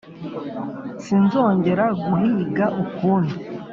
sinzongera guhiga ukundi."